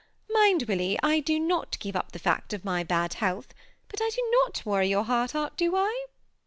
Mind, Willy, I do not give up the fact of my bad health, but I do not worry your heart out, do I?"